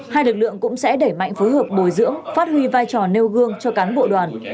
hai lực lượng cũng sẽ đẩy mạnh phối hợp bồi dưỡng phát huy vai trò nêu gương cho cán bộ đoàn